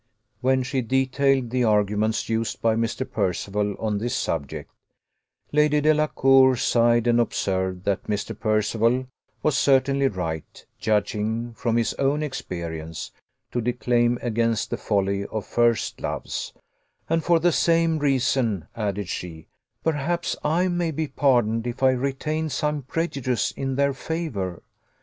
When she detailed the arguments used by Mr. Percival on this subject, Lady Delacour sighed, and observed that Mr. Percival was certainly right, judging from his own experience, to declaim against the folly of first loves; "and for the same reason," added she, "perhaps I may be pardoned if I retain some prejudice in their favour."